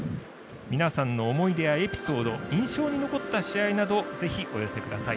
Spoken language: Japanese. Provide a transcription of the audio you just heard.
皆さんの思い出やエピソード印象に残った試合などをぜひ、お寄せください。